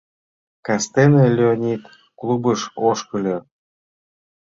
Кастене Леонид клубыш ошкыльо.